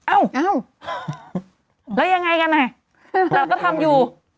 เอ้าแล้วยังไงกันอ่ะเราก็ทำอยู่